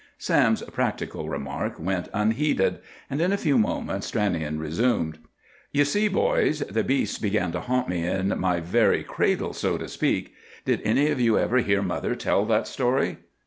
Sam's practical remark went unheeded; and in a few moments Stranion resumed,— "You see, boys, the beasts began to haunt me in my very cradle so to speak. Did any of you ever hear mother tell that story?"